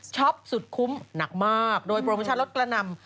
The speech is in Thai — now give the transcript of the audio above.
สุดคุ้มหนักมากโดยโปรโมชั่นรถกระนำ